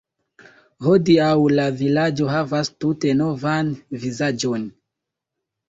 Hodiaŭ la vilaĝo havas tute novan vizaĝon.